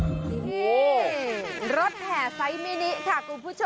นี่รถแห่ไซส์มินิค่ะคุณผู้ชม